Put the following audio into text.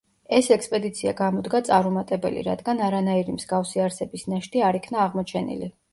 ეს ექსპედიცია გამოდგა წარუმატებელი, რადგან არანაირი მსგავსი არსების ნაშთი არ იქნა აღმოჩენლი.